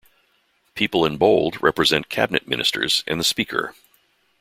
People in bold represent cabinet ministers and the Speaker.